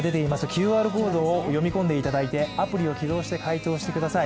ＱＲコードを読み込んでいただいてアプリを起動して回答してください。